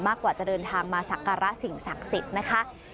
กว่าจะเดินทางมาสักการะสิ่งศักดิ์สิทธิ์นะคะ